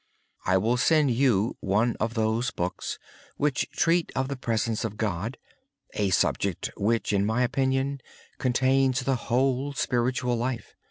I will send you one of those books about the presence of God; a subject which, in my opinion, contains the whole spiritual life.